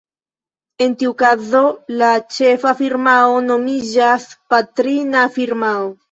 En tiu kazo la ĉefa firmao nomiĝas "patrina firmao".